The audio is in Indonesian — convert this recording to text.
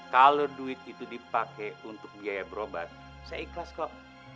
kalau duit itu dipakai untuk biaya berobat saya ikhlas kok